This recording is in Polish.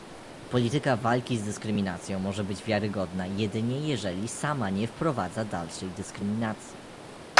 Polityka walki z dyskryminacją może być wiarygodna jedynie jeżeli sama nie wprowadza dalszej dyskryminacji